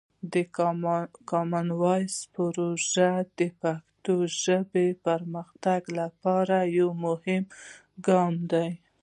د کامن وایس پروژه د پښتو ژبې پرمختګ لپاره یوه مهمه ګام دی.